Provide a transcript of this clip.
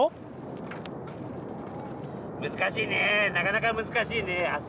難しいねぇなかなか難しいねぇ。